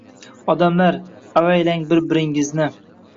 Odamlar, avaylang bir-biringizni...